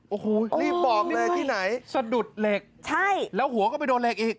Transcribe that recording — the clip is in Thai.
โอ้โหรีบบอกเลยที่ไหนสะดุดเหล็กใช่แล้วหัวก็ไปโดนเหล็กอีก